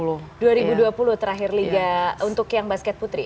dua ribu dua puluh terakhir liga untuk yang basket putri